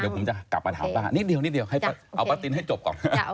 เดี๋ยวผมจะกลับมาถามป้านิดเดี๋ยวเอาป้าติ๋วให้จบก่อน